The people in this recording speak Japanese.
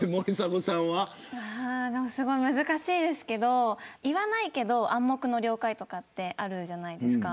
すごい難しいですけど言わないけど暗黙の了解とかってあるじゃないですか。